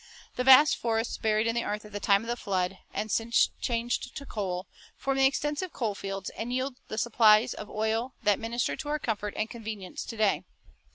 The vast forests buried in the earth at the time of the flood, and since changed to coal, form the extensive coal fields, and yield the supplies of oil, that minister to our comfort and convenience to day.